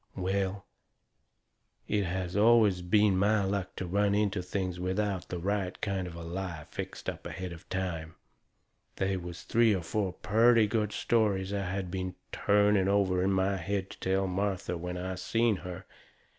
Well, it has always been my luck to run into things without the right kind of a lie fixed up ahead of time. They was three or four purty good stories I had been trying over in my head to tell Martha when I seen her.